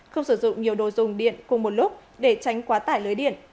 không sử dụng nhiều đồ dùng điện cùng một lúc để tránh quá tải lưới điện